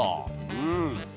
うん。